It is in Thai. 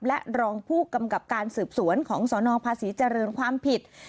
และรองผู้กำกับการสืบสวนของสนภาษีเจริญความผิด